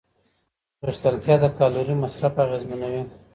غښتلتیا د کالوري مصرف اغېزمنوي.